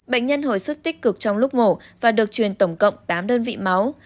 bệnh nhân hồi sức tích cực trong lúc mổ và được truyền tổng cộng tám đơn vị máu